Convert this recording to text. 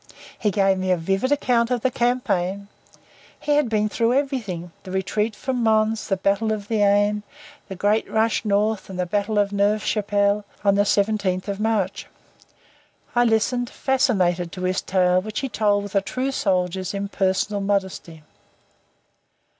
He gave me a vivid account of the campaign. He had been through everything, the retreat from Mons, the Battle of the Aisne, the great rush north, and the Battle of Neuve Chapelle on the 17th of March. I listened, fascinated, to his tale, which he told with a true soldier's impersonal modesty.